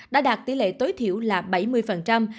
đã đạt tỷ lệ tối thiểu là bảy mươi phần trăm